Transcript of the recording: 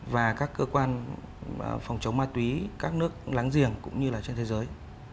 và các cơ quan phòng chống ma túy các nước láng giềng cũng như là trên thế giới